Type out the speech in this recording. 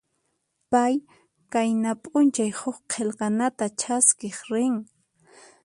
Pay qayna p'unchay huk qillqanata chaskiq rin.